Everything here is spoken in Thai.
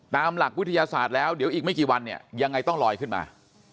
ตามหลักวิทยาศาสตร์แล้วเดี๋ยวอีกไม่กี่วันเนี่ยยังไงต้องลอยขึ้นมา